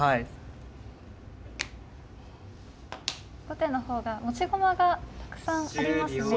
後手の方が持ち駒がたくさんありますね。